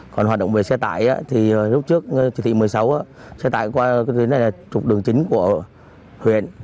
còn hoạt động về xe tải thì lúc trước trực thị một mươi sáu xe tải qua trục đường chính của huyện